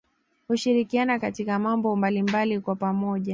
Hushirikiana katika mambo mbalimbali kwa pamoja